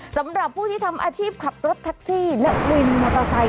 สำหรับผู้ที่ทำอาชีพขับรถแท็กซี่และวินมอเตอร์ไซค